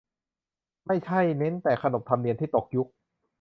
ไม่ใช่เน้นแต่ขนบธรรมเนียม ที่ตกยุค